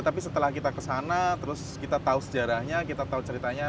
tapi setelah kita kesana terus kita tahu sejarahnya kita tahu ceritanya